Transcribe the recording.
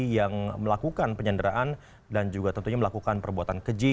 yang melakukan penyanderaan dan juga tentunya melakukan perbuatan keji